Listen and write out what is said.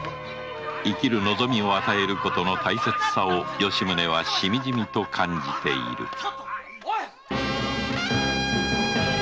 生きる望みを与えることの大切さを吉宗はしみじみと感じている